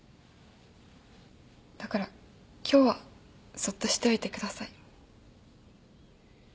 だから今日はそっとしておいてください。